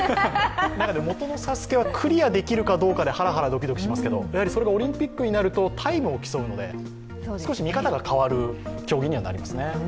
元の「ＳＡＳＵＫＥ」はクリアできるかどうかでハラハラしますがそれがオリンピックになるとタイムを競うので、少し見方が変わる競技にはなりますね。